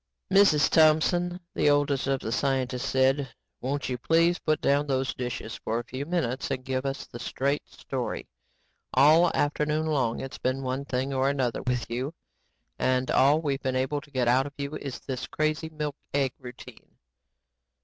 "Mrs. Thompson," the oldest of the scientists said, "won't you please put down those dishes for a few minutes and give us the straight story. All afternoon long its been one thing or another with you and all we've been able to get out of you is this crazy milk egg routine."